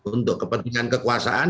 untuk kepentingan kekuasaan